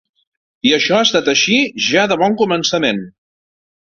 I això ha estat així ja de bon començament.